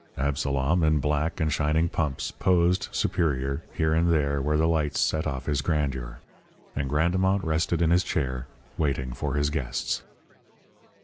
Absalom, in black and shining pumps posed, superior, here and there where the lights set off his grandeur. And Grandemont rested in his chair, waiting for his guests.